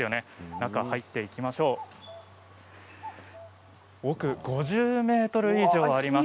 中に入っていきましょう奥、５０ｍほど以上あります。